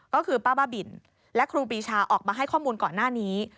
ก็คือป้าบ้าบินและครูปีชาออกมาให้ข้อมูลก่อนหน้านี้